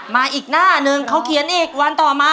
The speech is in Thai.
อีกหน้าหนึ่งเขาเขียนอีกวันต่อมา